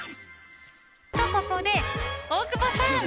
と、ここで大久保さん。